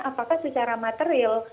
apakah secara material